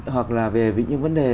hoặc là về những vấn đề